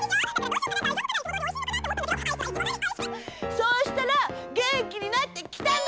そうしたらげんきになってきたんだ！